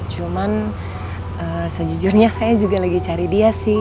cuman sejujurnya saya juga lagi cari dia sih